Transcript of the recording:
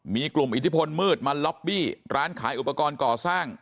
มีกลุ่มอิทธิพลมืดมาล็อบบี้ร้านขายอุปกรณ์ก่อสร้าง